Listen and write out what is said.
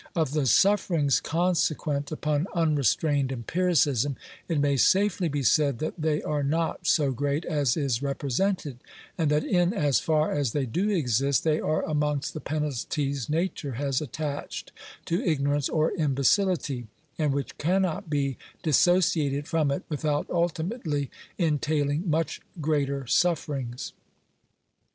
Of the sufferings consequent upon unrestrained empiricism, it may safely be said, that they are not so; great as is represented; and that in as far as> they do exist, they are amongst the penalties nature has attached to ignorance, or imbecility, and which cannot be dis sociated from it without ultimately entailing much greater sufferings.